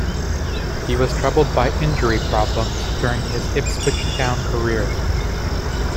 He was troubled by injury problems during his Ipswich Town career.